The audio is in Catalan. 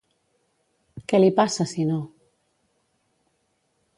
Què li passa, si no?